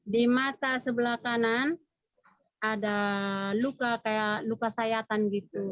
di mata sebelah kanan ada luka kayak luka sayatan gitu